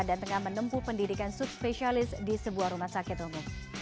dan tengah menempuh pendidikan subspesialis di sebuah rumah sakit umum